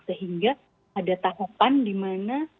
sehingga ada tahapan di mana